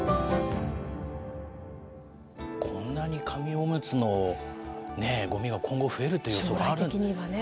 こんなに紙おむつのね、ごみが今後増えるという予想がある。